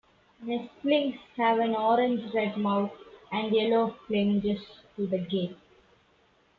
Nestlings have an orange-red mouth and yellow flanges to the gape.